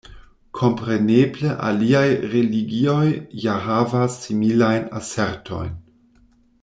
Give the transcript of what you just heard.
Kompreneble aliaj religioj ja havas similajn asertojn.